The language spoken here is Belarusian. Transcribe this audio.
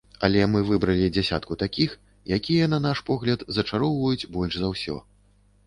Але мы выбралі дзясятку такіх, якія, на наш погляд, зачароўваюць больш за ўсё.